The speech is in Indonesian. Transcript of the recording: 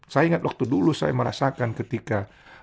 saya ingat waktu dulu saya merasakan ketika